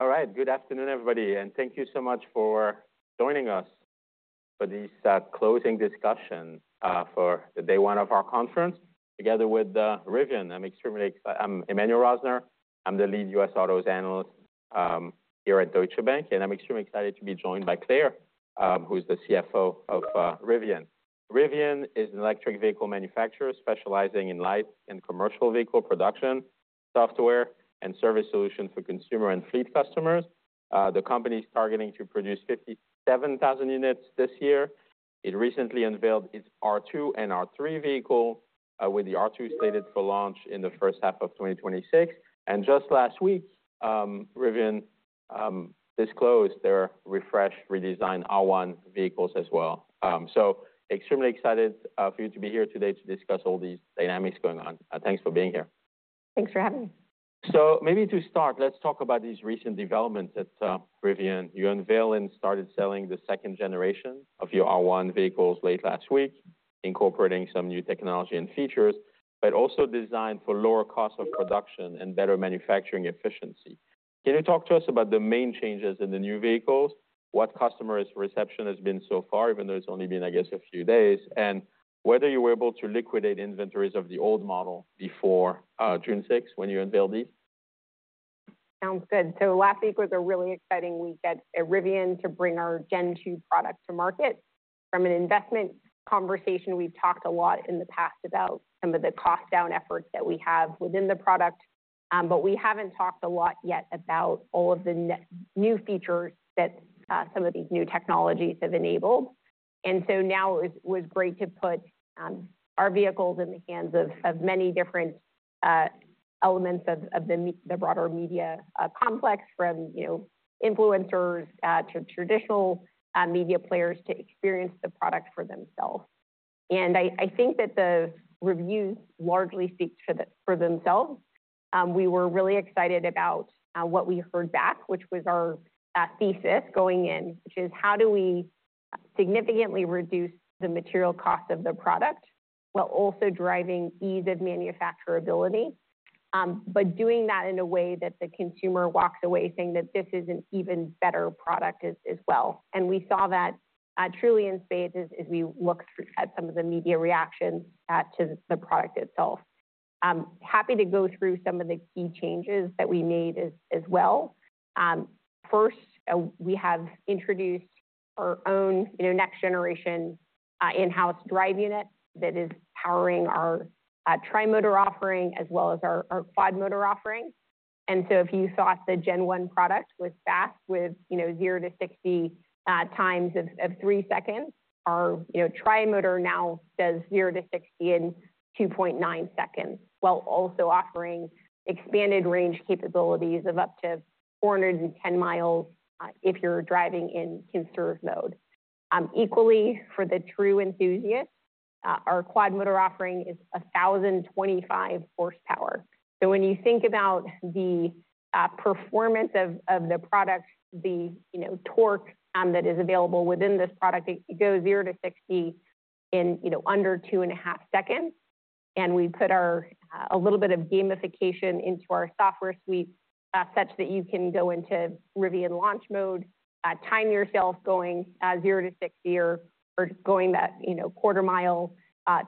All right. Good afternoon, everybody, and thank you so much for joining us for this closing discussion for day one of our conference, together with Rivian. I'm Emmanuel Rosner. I'm the lead U.S. autos analyst here at Deutsche Bank, and I'm extremely excited to be joined by Claire, who is the CFO of Rivian. Rivian is an electric vehicle manufacturer specializing in light and commercial vehicle production, software, and service solutions for consumer and fleet customers. The company is targeting to produce 57,000 units this year. It recently unveiled its R2 and R3 vehicle, with the R2 slated for launch in the first half of 2026. And just last week, Rivian disclosed their refreshed, redesigned R1 vehicles as well. Extremely excited for you to be here today to discuss all these dynamics going on. Thanks for being here. Thanks for having me. So maybe to start, let's talk about these recent developments at Rivian. You unveiled and started selling the second generation of your R1 vehicles late last week, incorporating some new technology and features, but also designed for lower cost of production and better manufacturing efficiency. Can you talk to us about the main changes in the new vehicles, what customers' reception has been so far, even though it's only been, I guess, a few days, and whether you were able to liquidate inventories of the old model before June sixth, when you unveiled these? Sounds good. So last week was a really exciting week at Rivian to bring our Gen 2 product to market. From an investment conversation, we've talked a lot in the past about some of the cost down efforts that we have within the product, but we haven't talked a lot yet about all of the new features that some of these new technologies have enabled. And so now it was great to put our vehicles in the hands of many different elements of the broader media complex, from, you know, influencers to traditional media players to experience the product for themselves. And I think that the reviews largely speak for themselves. We were really excited about what we heard back, which was our thesis going in, which is: How do we significantly reduce the material cost of the product while also driving ease of manufacturability? But doing that in a way that the consumer walks away saying that this is an even better product as well. And we saw that truly in phases as we looked at some of the media reactions to the product itself. I'm happy to go through some of the key changes that we made as well. First, we have introduced our own, you know, next-generation in-house drive unit that is powering our Tri-Motor offering as well as our Quad-Motor offering. If you thought the Gen 1 product was fast with, you know, 0-60 times of 3 seconds, our, you know, Tri-Motor now does 0-60 in 2.9 seconds, while also offering expanded range capabilities of up to 410 miles, if you're driving in Conserve Mode. Equally, for the true enthusiast, our Quad-Motor offering is 1,025 horsepower. When you think about the performance of the product, the, you know, torque that is available within this product, it goes 0-60 in, you know, under 2.5 seconds. We put a little bit of gamification into our software suite, such that you can go into Rivian Launch Mode, time yourself going 0-60 or, or going that, you know, quarter mile,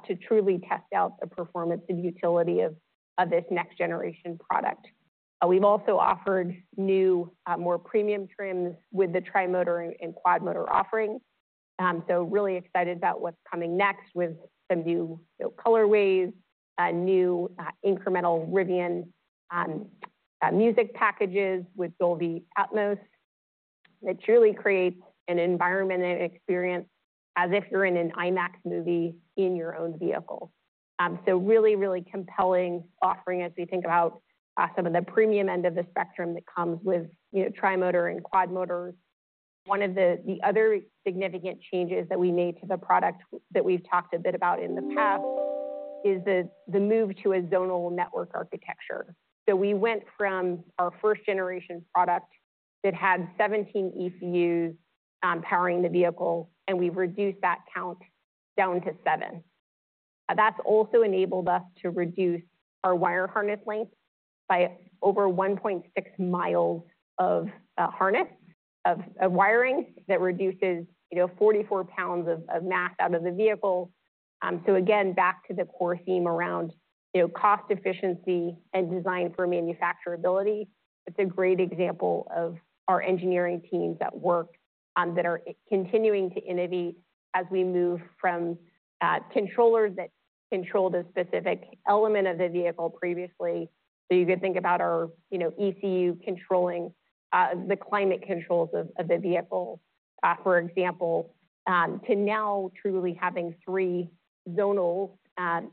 to truly test out the performance and utility of this next generation product. We've also offered new, more premium trims with the Tri-Motor and Quad-Motor offerings. So really excited about what's coming next with some new, you know, colorways, new, incremental Rivian music packages with Dolby Atmos. It truly creates an environment and experience as if you're in an IMAX movie in your own vehicle. So really, really compelling offering as we think about some of the premium end of the spectrum that comes with, you know, Tri-Motor and Quad-Motor. One of the other significant changes that we made to the product that we've talked a bit about in the past is the move to a zonal network architecture. So we went from our first generation product that had 17 ECUs powering the vehicle, and we reduced that count down to 7. That's also enabled us to reduce our wire harness length by over 1.6 mi of wiring. That reduces, you know, 44 lbs of mass out of the vehicle. So again, back to the core theme around, you know, cost efficiency and design for manufacturability. It's a great example of our engineering teams that are continuing to innovate as we move from controllers that control the specific element of the vehicle previously. So you could think about our, you know, ECU controlling the climate controls of, of the vehicle, for example, to now truly having three zonal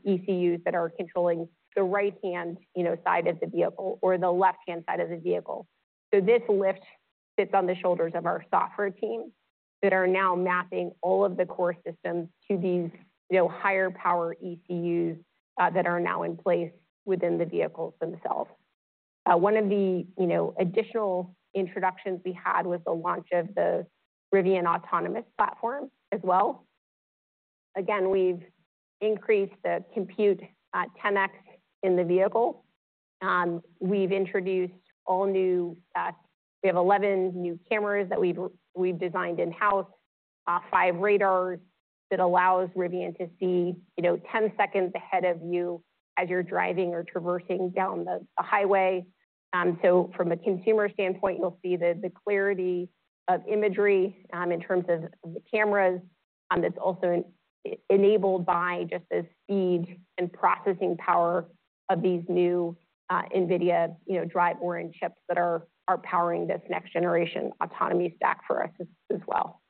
ECUs that are controlling the right-hand, you know, side of the vehicle or the left-hand side of the vehicle. So this lift sits on the shoulders of our software team, that are now mapping all of the core systems to these, you know, higher power ECUs that are now in place within the vehicles themselves. One of the, you know, additional introductions we had was the launch of the Rivian Autonomy Platform as well. Again, we've increased the compute 10x in the vehicle. We've introduced all new, we have 11 new cameras that we've, we've designed in-house, 5 radars that allows Rivian to see, you know, 10 seconds ahead of you as you're driving or traversing down the, a highway. So from a consumer standpoint, you'll see the, the clarity of imagery, in terms of, of the cameras. It's also enabled by just the speed and processing power of these new, NVIDIA, you know, DRIVE Orin chips that are, are powering this next generation autonomy stack for us as, as well.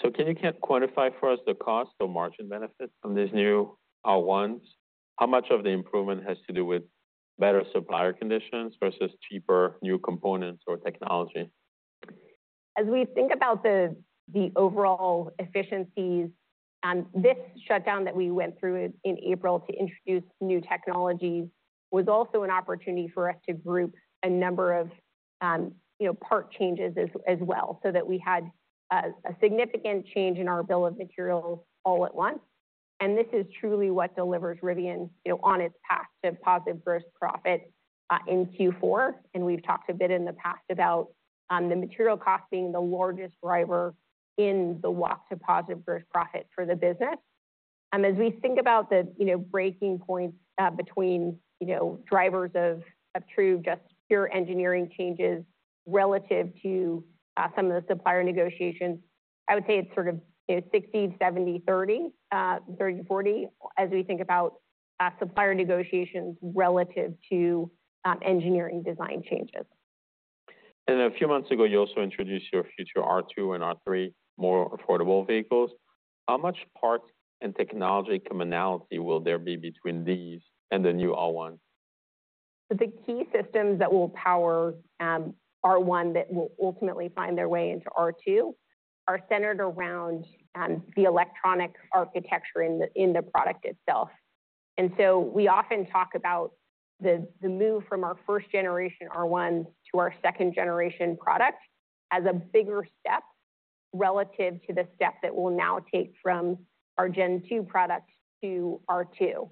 So can you quantify for us the cost or margin benefits from these new R1s? How much of the improvement has to do with better supplier conditions versus cheaper new components or technology? As we think about the overall efficiencies, this shutdown that we went through in April to introduce new technologies was also an opportunity for us to group a number of, you know, part changes as well, so that we had a significant change in our bill of materials all at once. And this is truly what delivers Rivian, you know, on its path to positive gross profit in Q4. And we've talked a bit in the past about the material cost being the largest driver in the walk to positive gross profit for the business. As we think about the, you know, breaking points between, you know, drivers of true, just pure engineering changes relative to some of the supplier negotiations, I would say it's sort of, you know, 60, 70, 30, 30, 40, as we think about supplier negotiations relative to engineering design changes. A few months ago, you also introduced your future R2 and R3, more affordable vehicles. How much parts and technology commonality will there be between these and the new R1? The key systems that will power R1, that will ultimately find their way into R2, are centered around the electronic architecture in the product itself. We often talk about the move from our first generation R1 to our second generation product as a bigger step relative to the step that we'll now take from our Gen 2 products to R2.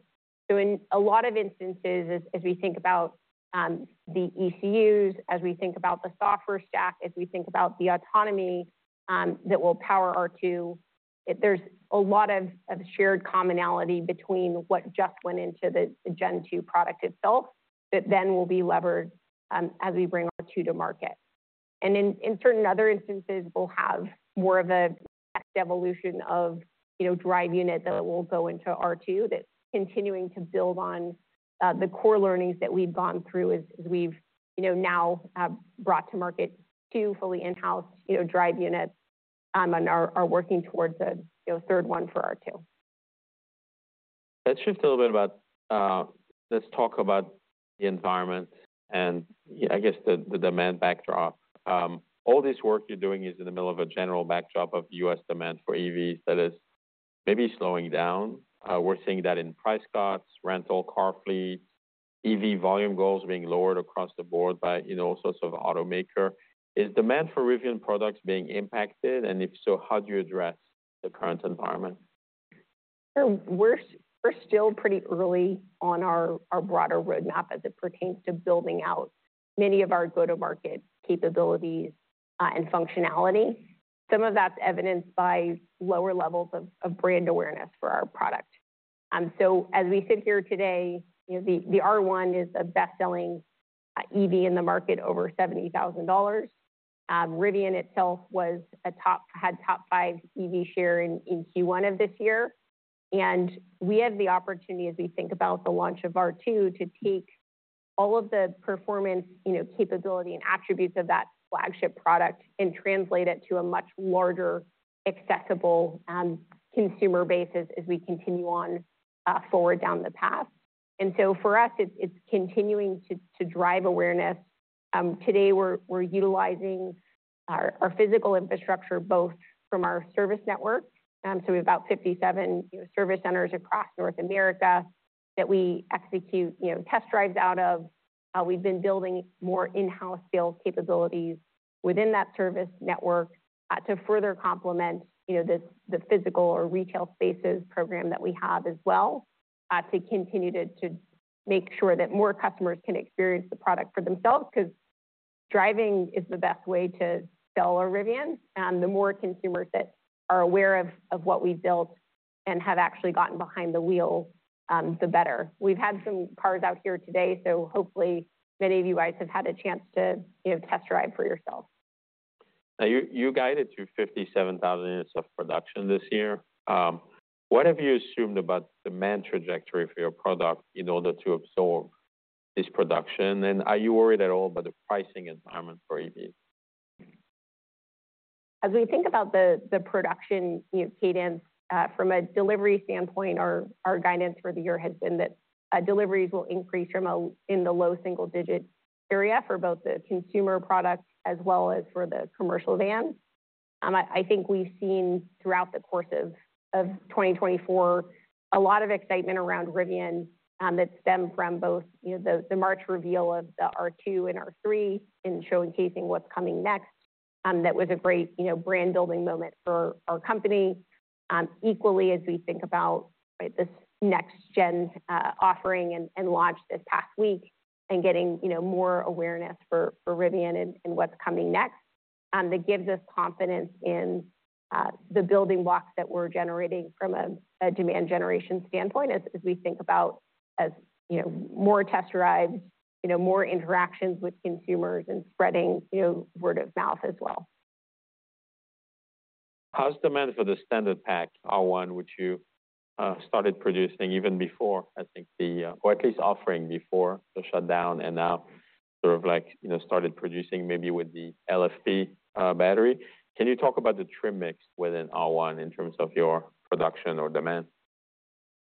In a lot of instances, as we think about the ECUs, as we think about the software stack, as we think about the autonomy that will power R2, there's a lot of shared commonality between what just went into the Gen 2 product itself, that then will be levered as we bring R2 to market. In certain other instances, we'll have more of an evolution of, you know, drive unit that will go into R2, that's continuing to build on the core learnings that we've gone through as we've, you know, now brought to market two fully in-house, you know, drive units and are working towards a, you know, third one for R2. Let's shift a little bit about, let's talk about the environment and I guess the demand backdrop. All this work you're doing is in the middle of a general backdrop of U.S. demand for EVs that is maybe slowing down. We're seeing that in price cuts, rental car fleets, EV volume goals are being lowered across the board by, you know, all sorts of automakers. Is demand for Rivian products being impacted? And if so, how do you address the current environment? So we're still pretty early on our broader roadmap as it pertains to building out many of our go-to-market capabilities and functionality. Some of that's evidenced by lower levels of brand awareness for our product. So as we sit here today, you know, the R1 is a best-selling EV in the market, over $70,000. Rivian itself had top five EV share in Q1 of this year. And we have the opportunity, as we think about the launch of R2, to take all of the performance, you know, capability and attributes of that flagship product and translate it to a much larger, accessible consumer basis as we continue on forward down the path. And so for us, it's continuing to drive awareness. Today, we're utilizing our physical infrastructure, both from our service network, so we have about 57, you know, service centers across North America that we execute, you know, test drives out of. We've been building more in-house sales capabilities within that service network, to further complement, you know, the physical or retail spaces program that we have as well, to continue to make sure that more customers can experience the product for themselves, because driving is the best way to sell a Rivian. The more consumers that are aware of what we built and have actually gotten behind the wheel, the better. We've had some cars out here today, so hopefully many of you guys have had a chance to, you know, test drive for yourself. Now, you guided to 57,000 units of production this year. What have you assumed about demand trajectory for your product in order to absorb this production? Are you worried at all about the pricing environment for EV? As we think about the production, you know, cadence from a delivery standpoint, our guidance for the year has been that deliveries will increase in the low single digit area for both the consumer products as well as for the commercial van. I think we've seen throughout the course of 2024, a lot of excitement around Rivian that stemmed from both, you know, the March reveal of the R2 and R3 and showcasing what's coming next. That was a great, you know, brand building moment for our company. Equally, as we think about, right, this next gen offering and launch this past week and getting, you know, more awareness for Rivian and what's coming next, that gives us confidence in the building blocks that we're generating from a demand generation standpoint as we think about, you know, more test rides, you know, more interactions with consumers and spreading, you know, word of mouth as well. How's demand for the standard pack, R1, which you started producing even before, I think the or at least offering before the shutdown and now sort of like, you know, started producing maybe with the LFP battery. Can you talk about the trim mix within R1 in terms of your production or demand?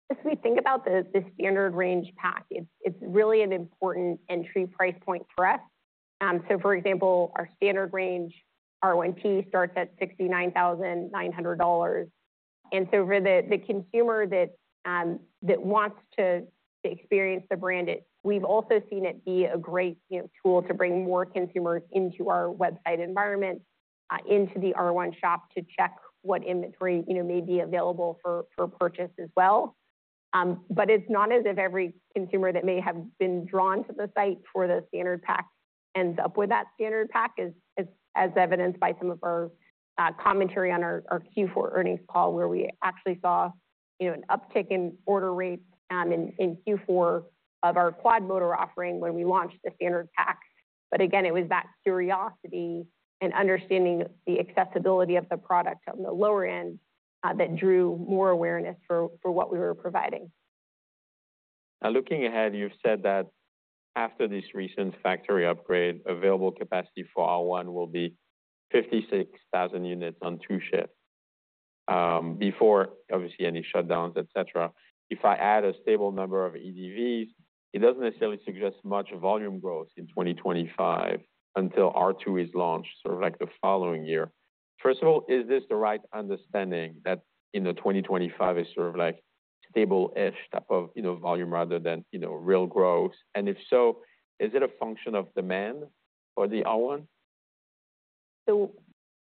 As we think about the standard range pack, it's really an important entry price point for us. So for example, our standard range R1T starts at $69,900. And so for the consumer that wants to experience the brand, it—we've also seen it be a great, you know, tool to bring more consumers into our website environment, into the R1 Shop, to check what inventory, you know, may be available for purchase as well. But it's not as if every consumer that may have been drawn to the site for the standard pack ends up with that standard pack, as evidenced by some of our commentary on our Q4 earnings call, where we actually saw, you know, an uptick in order rates in Q4 of our Quad-Motor offering when we launched the standard pack. But again, it was that curiosity and understanding the accessibility of the product on the lower end that drew more awareness for what we were providing. Now, looking ahead, you've said that after this recent factory upgrade, available capacity for R1 will be 56,000 units on two shifts, before obviously any shutdowns, et cetera. If I add a stable number of EDVs, it doesn't necessarily suggest much volume growth in 2025 until R2 is launched, sort of like the following year. First of all, is this the right understanding that, you know, 2025 is sort of like stable-ish type of, you know, volume rather than, you know, real growth? And if so, is it a function of demand for the R1? So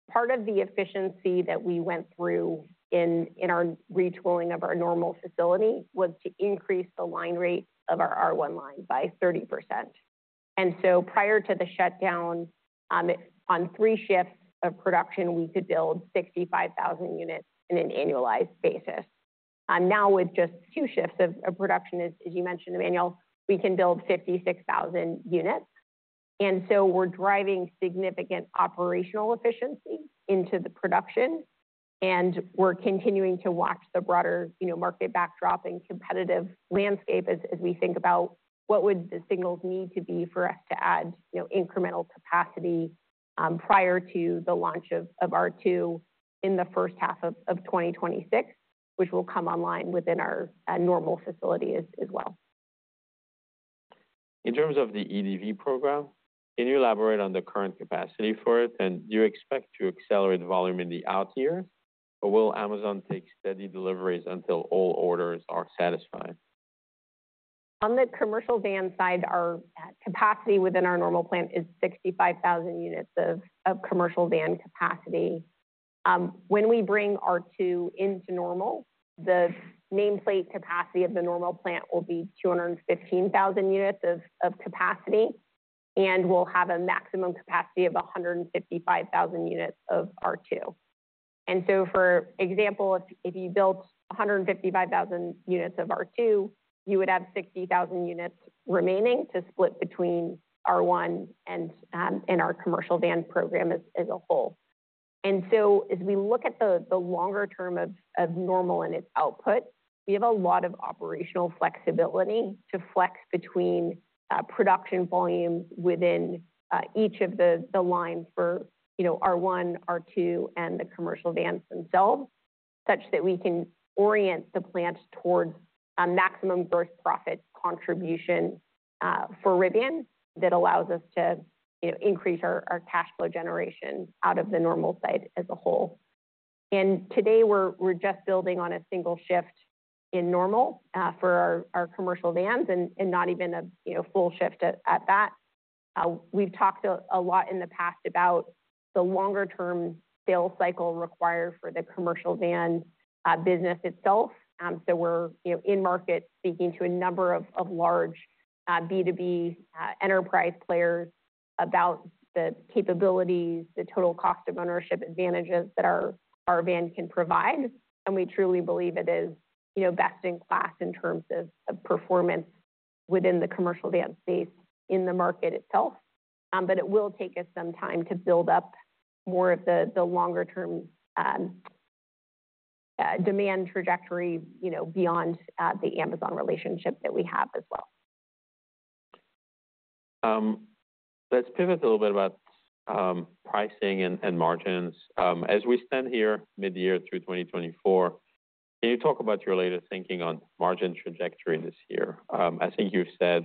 part of the efficiency that we went through in our retooling of our Normal facility was to increase the line rate of our R1 line by 30%. And so prior to the shutdown, on three shifts of production, we could build 65,000 units on an annualized basis. Now, with just two shifts of production, as you mentioned, Emmanuel, we can build 56,000 units. And so we're driving significant operational efficiency into the production, and we're continuing to watch the broader, you know, market backdrop and competitive landscape as we think about what would the signals need to be for us to add, you know, incremental capacity, prior to the launch of R2 in the first half of 2026, which will come online within our Normal facility as well. In terms of the EDV program, can you elaborate on the current capacity for it? Do you expect to accelerate the volume in the out year, or will Amazon take steady deliveries until all orders are satisfied? On the commercial van side, our capacity within our Normal plant is 65,000 units of commercial van capacity. When we bring R2 into Normal, the nameplate capacity of the Normal plant will be 215,000 units of capacity, and we'll have a maximum capacity of 155,000 units of R2. And so, for example, if you built 155,000 units of R2, you would have 60,000 units remaining to split between R1 and our commercial van program as a whole. As we look at the longer term of Normal and its output, we have a lot of operational flexibility to flex between production volumes within each of the lines for, you know, R1, R2, and the commercial vans themselves, such that we can orient the plant towards a maximum gross profit contribution for Rivian. That allows us to, you know, increase our cash flow generation out of the Normal site as a whole. Today, we're just building on a single shift in Normal for our commercial vans and not even a, you know, full shift at that. We've talked a lot in the past about the longer-term sales cycle required for the commercial van business itself. So we're, you know, in market, speaking to a number of, of large, B2B, enterprise players about the capabilities, the total cost of ownership advantages that our, our van can provide, and we truly believe it is, you know, best in class in terms of, of performance within the commercial van space in the market itself. But it will take us some time to build up more of the, the longer-term, demand trajectory, you know, beyond, the Amazon relationship that we have as well. Let's pivot a little bit about pricing and margins. I think you've said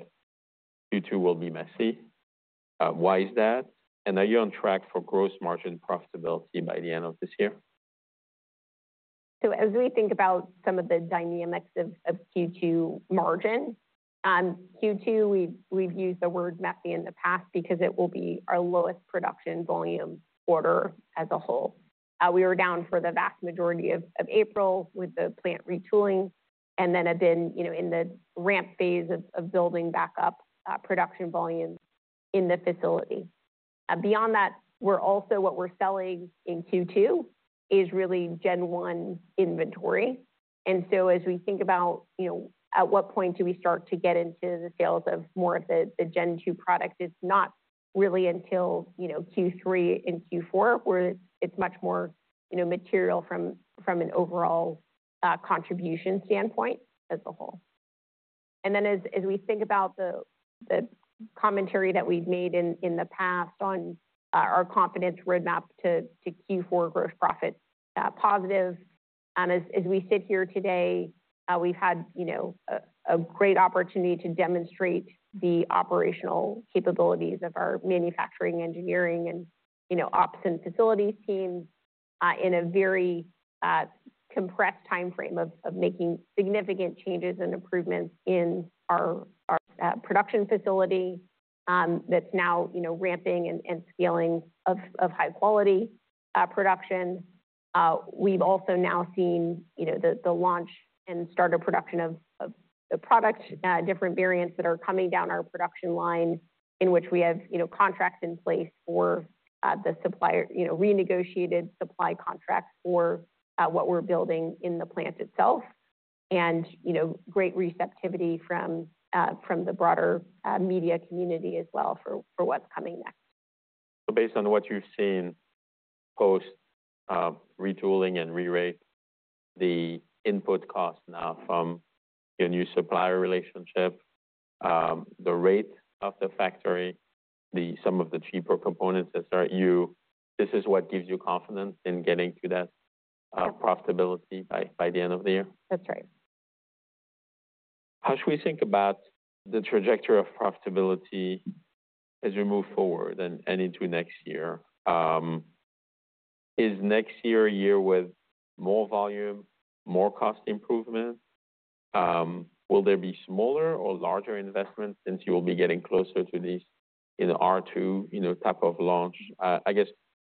Q2 will be messy. Why is that? And are you on track for gross margin profitability by the end of this year?... So as we think about some of the dynamics of Q2 margin, Q2, we've used the word messy in the past because it will be our lowest production volume quarter as a whole. We were down for the vast majority of April with the plant retooling, and then have been, you know, in the ramp phase of building back up production volumes in the facility. Beyond that, what we're selling in Q2 is really Gen 1 inventory. And so as we think about, you know, at what point do we start to get into the sales of more of the Gen 2 product, it's not really until, you know, Q3 and Q4, where it's much more, you know, material from an overall contribution standpoint as a whole. And then as we think about the commentary that we've made in the past on our confidence roadmap to Q4 gross profit positive. As we sit here today, we've had you know a great opportunity to demonstrate the operational capabilities of our manufacturing, engineering, and you know ops and facilities teams in a very compressed timeframe of making significant changes and improvements in our production facility that's now you know ramping and scaling of high quality production. We've also now seen, you know, the launch and start of production of the product, different variants that are coming down our production line, in which we have, you know, contracts in place for the supplier, you know, renegotiated supply contracts for what we're building in the plant itself. And, you know, great receptivity from the broader media community as well, for what's coming next. So based on what you've seen post retooling and rerate, the input costs now from your new supplier relationship, the rate of the factory, some of the cheaper components this is what gives you confidence in getting to that profitability by the end of the year? That's right. How should we think about the trajectory of profitability as we move forward and into next year? Is next year a year with more volume, more cost improvement? Will there be smaller or larger investments since you will be getting closer to these in R2, you know, type of launch? I guess,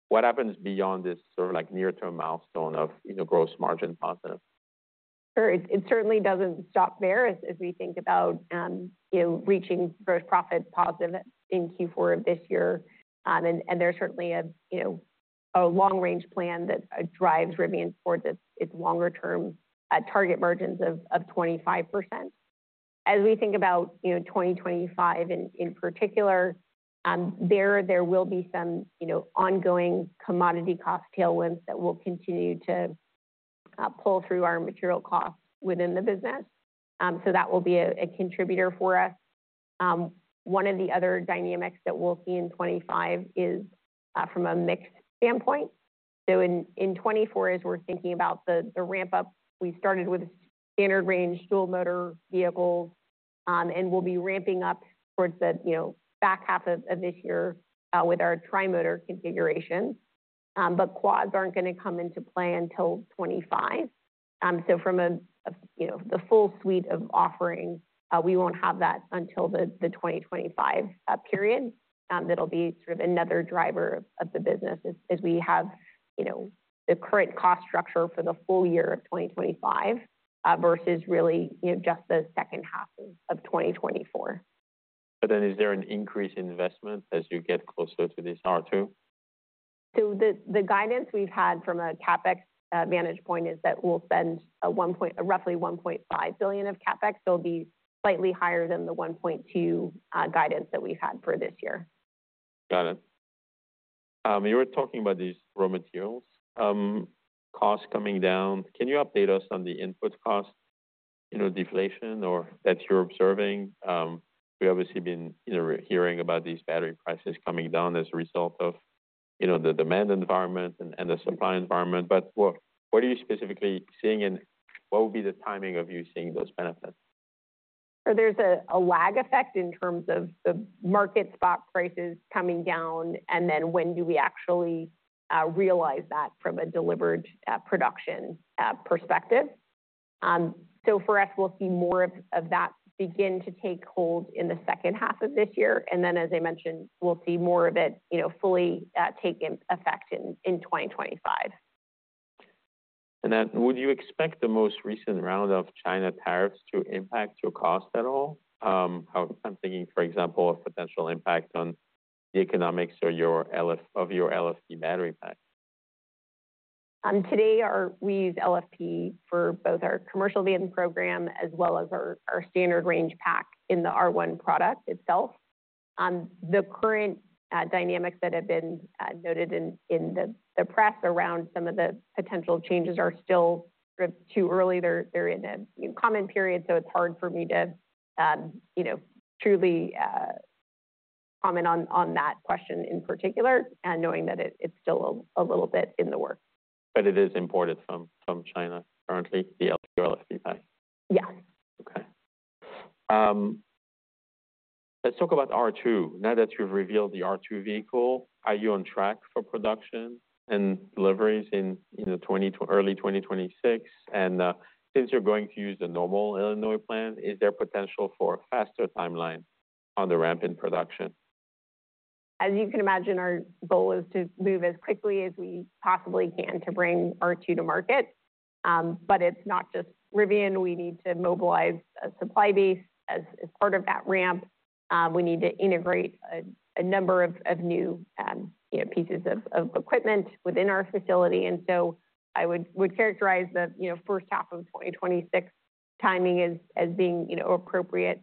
what happens beyond this sort of, like, near-term milestone of, you know, gross margin positive? Sure. It certainly doesn't stop there as we think about, you know, reaching gross profit positive in Q4 of this year. There's certainly a, you know, a long-range plan that drives Rivian towards its longer-term target margins of 25%. As we think about, you know, 2025 in particular, there will be some, you know, ongoing commodity cost tailwinds that will continue to pull through our material costs within the business. That will be a contributor for us. One of the other dynamics that we'll see in 2025 is from a mix standpoint. So in 2024, as we're thinking about the ramp-up, we started with standard range Dual-Motor vehicles, and we'll be ramping up towards the, you know, back half of this year, with our Tri-Motor configuration. But quads aren't going to come into play until 2025. So from a, you know, the full suite of offerings, we won't have that until the 2025 period. That'll be sort of another driver of the business as we have, you know, the current cost structure for the full year of 2025, versus really, you know, just the second half of 2024. But then, is there an increase in investment as you get closer to this R2? So the guidance we've had from a CapEx management point is that we'll spend roughly $1.5 billion of CapEx. So it'll be slightly higher than the $1.2 billion guidance that we've had for this year. Got it. You were talking about these raw materials costs coming down. Can you update us on the input costs, you know, deflation or that you're observing? We've obviously been, you know, hearing about these battery prices coming down as a result of, you know, the demand environment and the supply environment. But what are you specifically seeing, and what would be the timing of you seeing those benefits? There's a lag effect in terms of the market spot prices coming down, and then, when do we actually realize that from a delivered production perspective. For us, we'll see more of that begin to take hold in the second half of this year. Then, as I mentioned, we'll see more of it, you know, fully take effect in 2025. Would you expect the most recent round of China tariffs to impact your cost at all? I'm thinking, for example, of potential impact on the economics or your LFP battery pack. Today, we use LFP for both our commercial van program as well as our standard range pack in the R1 product itself. The current dynamics that have been noted in the press around some of the potential changes are still sort of too early. They're in a comment period, so it's hard for me to, you know, truly comment on that question in particular and knowing that it's still a little bit in the work. It is imported from China currently, the LFP pack? Yeah. Let's talk about R2. Now that you've revealed the R2 vehicle, are you on track for production and deliveries in early 2026? And, since you're going to use the Normal, Illinois plant, is there potential for a faster timeline on the ramp in production? As you can imagine, our goal is to move as quickly as we possibly can to bring R2 to market. But it's not just Rivian. We need to mobilize a supply base as part of that ramp. We need to integrate a number of new, you know, pieces of equipment within our facility. And so I would characterize the, you know, first half of 2026 timing as being, you know, appropriate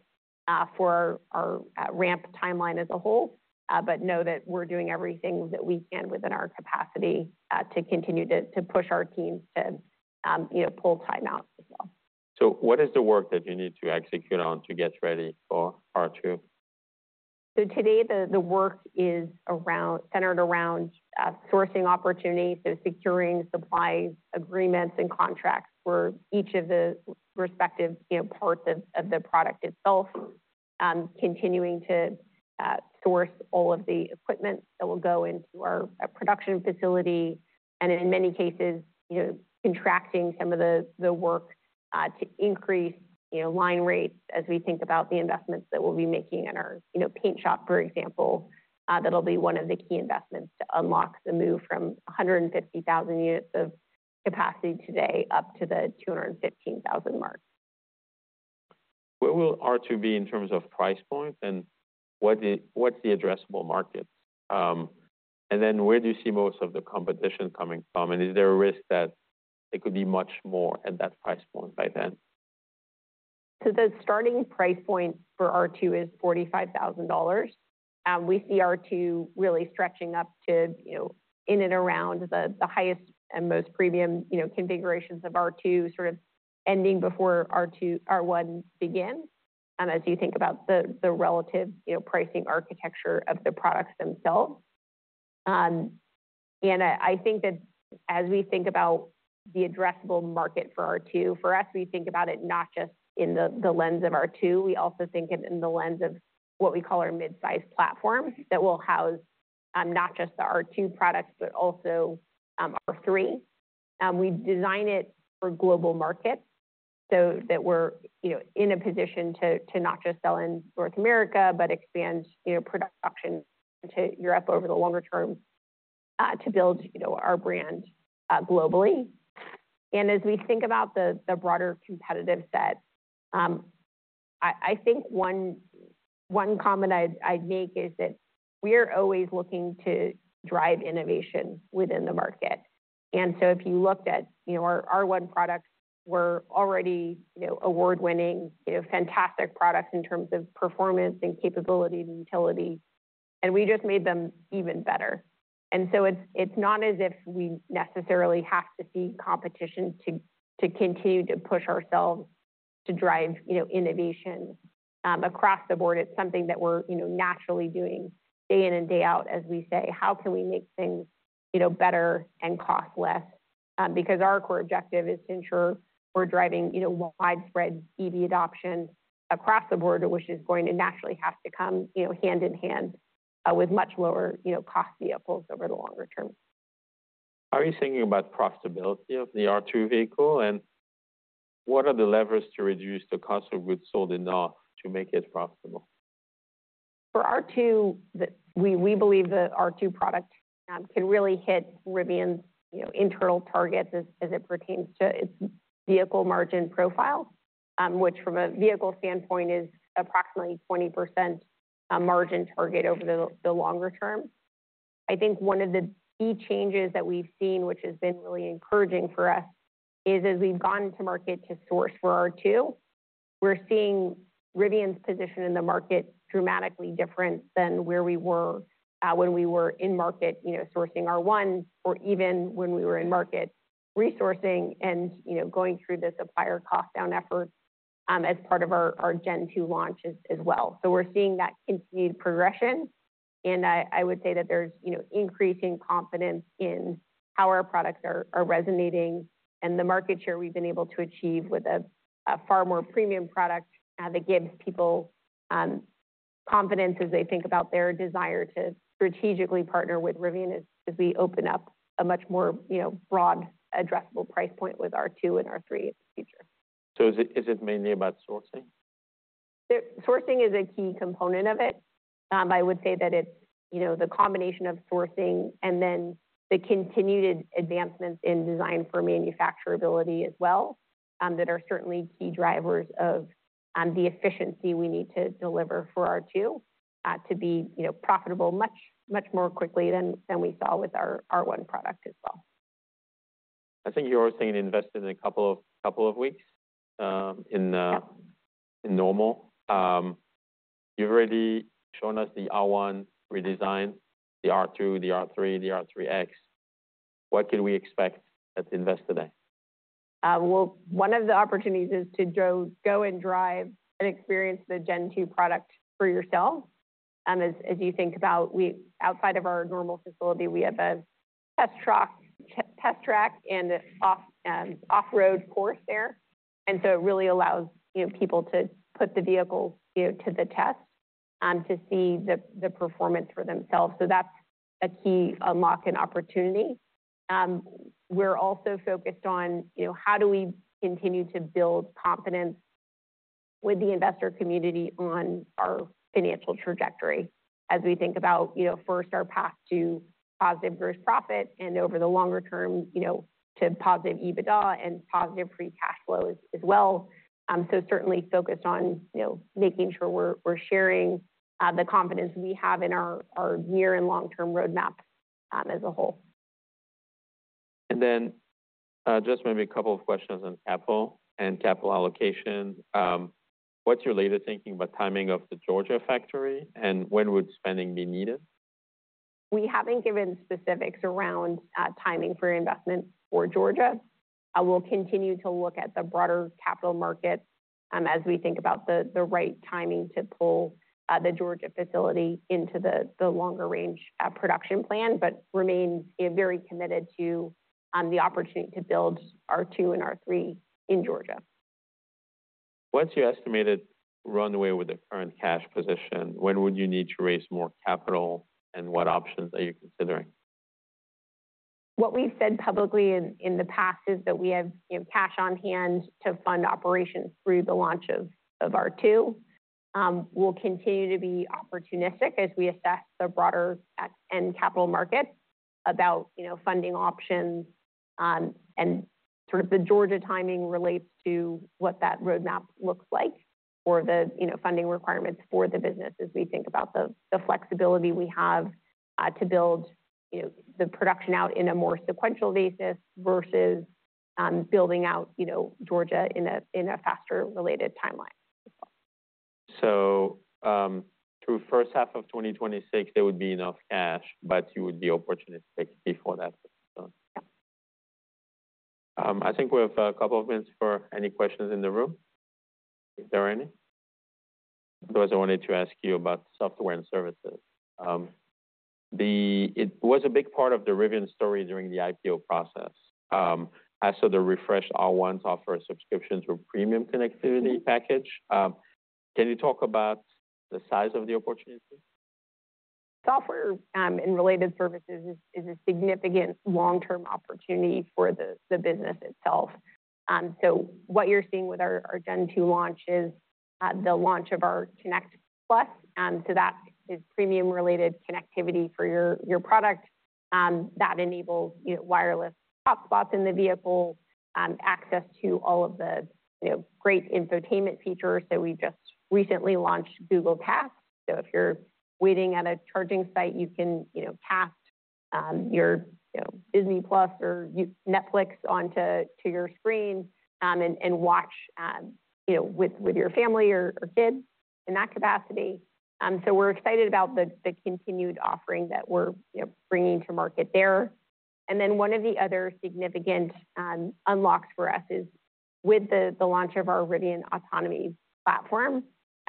for our ramp timeline as a whole. But know that we're doing everything that we can within our capacity to continue to push our teams to, you know, pull time out as well. What is the work that you need to execute on to get ready for R2? So today, the work is around centered around sourcing opportunities, so securing supply agreements and contracts for each of the respective, you know, parts of the product itself. Continuing to source all of the equipment that will go into our production facility, and in many cases, you know, contracting some of the work to increase, you know, line rates as we think about the investments that we'll be making in our, you know, paint shop, for example. That'll be one of the key investments to unlock the move from 150,000 units of capacity today up to the 215,000 mark. Where will R2 be in terms of price point, and what's the addressable market? And then where do you see most of the competition coming from? And is there a risk that it could be much more at that price point by then? So the starting price point for R2 is $45,000. We see R2 really stretching up to, you know, in and around the highest and most premium, you know, configurations of R2, sort of ending before R1 begins, as you think about the relative, you know, pricing architecture of the products themselves. And I think that as we think about the addressable market for R2, for us, we think about it not just in the lens of R2. We also think in the lens of what we call our mid-size platform, that will house not just the R2 products, but also R3. We design it for global markets, so that we're, you know, in a position to not just sell in North America, but expand, you know, product option to Europe over the longer term, to build, you know, our brand globally. As we think about the broader competitive set, I think one comment I'd make is that we're always looking to drive innovation within the market. So if you looked at, you know, our R1 products were already, you know, award-winning, you know, fantastic products in terms of performance and capability and utility, and we just made them even better. So it's not as if we necessarily have to see competition to continue to push ourselves to drive, you know, innovation. Across the board, it's something that we're, you know, naturally doing day in and day out, as we say: How can we make things, you know, better and cost less? Because our core objective is to ensure we're driving, you know, widespread EV adoption across the board, which is going to naturally have to come, you know, hand in hand with much lower, you know, cost vehicles over the longer term. Are you thinking about profitability of the R2 vehicle, and what are the levers to reduce the cost of goods sold enough to make it profitable? For R2, we believe the R2 product can really hit Rivian's, you know, internal targets as it pertains to its vehicle margin profile. Which from a vehicle standpoint is approximately 20% margin target over the longer term. I think one of the key changes that we've seen, which has been really encouraging for us, is as we've gone to market to source for R2, we're seeing Rivian's position in the market dramatically different than where we were, when we were in market, you know, sourcing R1, or even when we were in market resourcing and, you know, going through the supplier cost down efforts, as part of our Gen 2 launch as well. So we're seeing that continued progression, and I would say that there's, you know, increasing confidence in how our products are resonating and the market share we've been able to achieve with a far more premium product that gives people confidence as they think about their desire to strategically partner with Rivian, as we open up a much more, you know, broad addressable price point with R2 and R3 in the future. So is it mainly about sourcing? The sourcing is a key component of it. I would say that it's, you know, the combination of sourcing and then the continued advancements in design for manufacturability as well, that are certainly key drivers of, the efficiency we need to deliver for R2, to be, you know, profitable much, much more quickly than we saw with our R1 product as well. I think you're hosting Investor Day in a couple of weeks in Normal. You've already shown us the R1 redesign, the R2, the R3, the R3X. What can we expect at the Investor Day? Well, one of the opportunities is to go and drive and experience the Gen 2 product for yourself. As you think about outside of our normal facility, we have a test track and off-road course there. And so it really allows, you know, people to put the vehicle, you know, to the test, to see the performance for themselves. So that's a key unlock and opportunity. We're also focused on, you know, how do we continue to build confidence with the investor community on our financial trajectory as we think about, you know, first, our path to positive gross profit and over the longer term, you know, to positive EBITDA and positive free cash flows as well. Certainly focused on, you know, making sure we're sharing the confidence we have in our near- and long-term roadmap as a whole. And then, just maybe a couple of questions on capital and capital allocation. What's your latest thinking about timing of the Georgia factory, and when would spending be needed? We haven't given specifics around timing for investment for Georgia. We'll continue to look at the broader capital market as we think about the right timing to pull the Georgia facility into the longer range production plan, but remain very committed to the opportunity to build R2 and R3 in Georgia. What's your estimated runway with the current cash position? When would you need to raise more capital, and what options are you considering? What we've said publicly in the past is that we have, you know, cash on hand to fund operations through the launch of R2. We'll continue to be opportunistic as we assess the broader debt and capital market about, you know, funding options. And sort of the Georgia timing relates to what that roadmap looks like for the, you know, funding requirements for the business as we think about the flexibility we have to build, you know, the production out in a more sequential basis versus building out, you know, Georgia in a faster related timeline. Through first half of 2026, there would be enough cash, but you would be opportunistic before that as well? Yeah. I think we have a couple of minutes for any questions in the room. Is there any? Because I wanted to ask you about software and services. It was a big part of the Rivian story during the IPO process. I saw the refreshed R1 software subscriptions with premium connectivity package. Can you talk about the size of the opportunity? Software and related services is a significant long-term opportunity for the business itself. So what you're seeing with our Gen 2 launch is the launch of our Connect+, so that is premium related connectivity for your product that enables you know, wireless hot spots in the vehicle, access to all of the you know, great infotainment features that we've just recently launched, Google Cast. So if you're waiting at a charging site, you can you know, cast your you know, Disney+ or Netflix onto to your screen, and watch you know, with your family or kids in that capacity. So we're excited about the continued offering that we're you know, bringing to market there. And then one of the other significant unlocks for us is with the launch of our Rivian Autonomy Platform,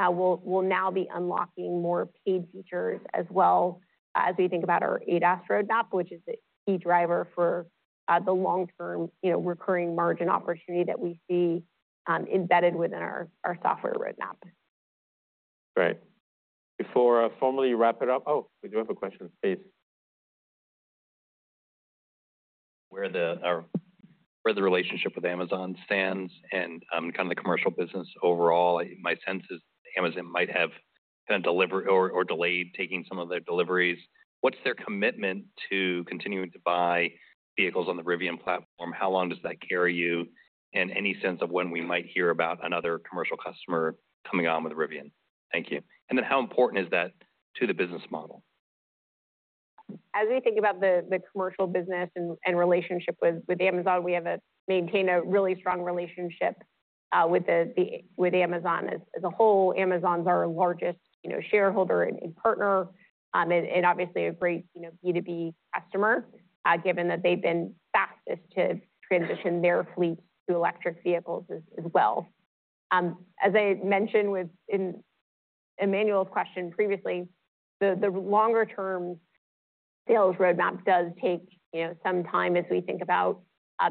we'll now be unlocking more paid features, as well as we think about our ADAS roadmap, which is a key driver for the long term, you know, recurring margin opportunity that we see embedded within our software roadmap. Great. Before I formally wrap it up... Oh, we do have a question, please. Where the relationship with Amazon stands and kind of the commercial business overall, my sense is Amazon might have been delayed taking some of their deliveries. What's their commitment to continuing to buy vehicles on the Rivian platform? How long does that carry you? And any sense of when we might hear about another commercial customer coming on with Rivian? Thank you. And then how important is that to the business model? As we think about the commercial business and relationship with Amazon, we have maintained a really strong relationship with Amazon. As a whole, Amazon is our largest, you know, shareholder and partner, and obviously a great, you know, B2B customer, given that they've been fastest to transition their fleets to electric vehicles as well. As I mentioned, within Emmanuel's question previously, the longer term sales roadmap does take, you know, some time as we think about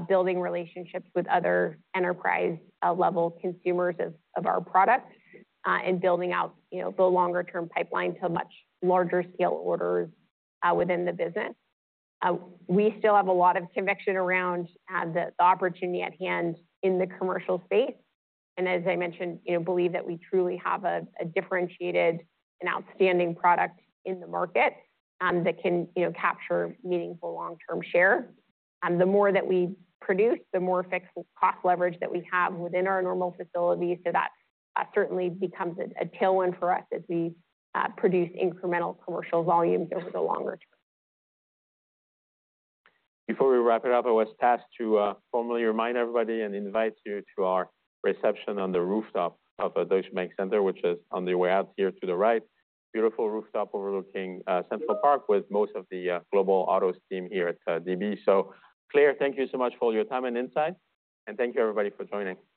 building relationships with other enterprise level consumers of our product and building out, you know, the longer term pipeline to much larger scale orders within the business. We still have a lot of conviction around the opportunity at hand in the commercial space, and as I mentioned, you know, believe that we truly have a differentiated and outstanding product in the market that can, you know, capture meaningful long-term share. The more that we produce, the more fixed cost leverage that we have within our Normal facilities. So that certainly becomes a tailwind for us as we produce incremental commercial volumes over the longer term. Before we wrap it up, I was tasked to formally remind everybody and invite you to our reception on the rooftop of the Deutsche Bank Center, which is on the way out here to the right. Beautiful rooftop overlooking Central Park with most of the global autos team here at DB. So, Claire, thank you so much for your time and insight, and thank you, everybody, for joining.